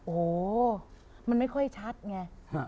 โอ้โหมันไม่ค่อยชัดไง